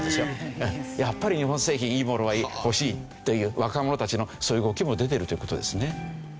やっぱり日本製品いいものはいい欲しいという若者たちのそういう動きも出てるという事ですね。